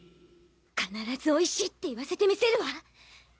必ず美味しいって言わせて見せるわ！